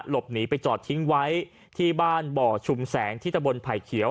หลบหนีไปจอดทิ้งไว้ที่บ้านบ่อชุมแสงที่ตะบนไผ่เขียว